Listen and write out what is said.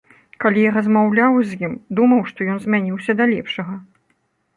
Калі я размаўляў з ім, думаў, што ён змяніўся да лепшага.